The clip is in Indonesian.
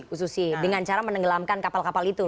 bu susi dengan cara menenggelamkan kapal kapal itu